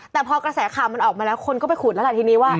แต่พอกระแสข่าวมันออกมาแล้วคนก็ไปขุดแล้วล่ะทีนี้ว่า